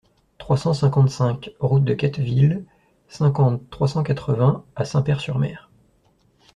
trois cent cinquante-cinq route de Catteville, cinquante, trois cent quatre-vingts à Saint-Pair-sur-Mer